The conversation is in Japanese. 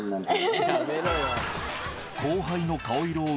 やめろよ。